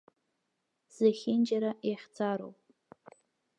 Зехьынџьара иахьӡароуп!